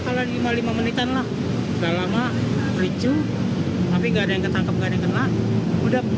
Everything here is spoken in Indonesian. kalau lima lima menit enggak lama ricu tapi enggak ada yang ketangkepkan yang kena udah